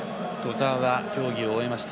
兎澤、競技を終えました。